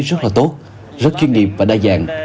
rất là tốt rất chuyên nghiệp và đa dạng